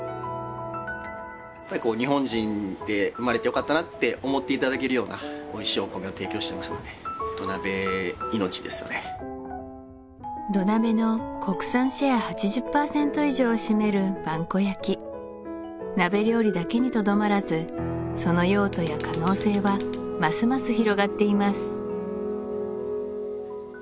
やっぱり日本人で生まれてよかったなって思っていただけるようなおいしいお米を提供してますので土鍋命ですよね土鍋の国産シェア８０％以上を占める萬古焼鍋料理だけにとどまらずその用途や可能性はますます広がっています